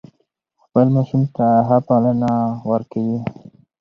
خپل ماشوم ته ښه پالنه ورکوي.